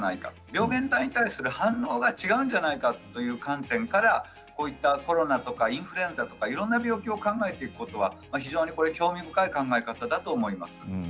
病原体に対する反応が違うんじゃないかという観点からこういった、コロナやインフルエンザ、いろいろな病気を考えていくことはこれは興味深い考え方だと思います。